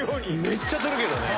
めっちゃ撮るけどね。